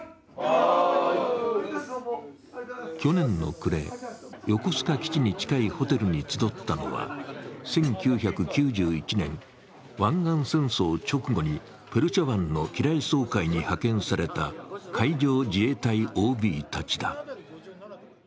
去年の暮れ、横須賀基地に近いホテルに集ったのは１９９１年、湾岸戦争直後にペルシャ湾の機雷掃海に派遣された海上自衛隊ＯＢたちだ。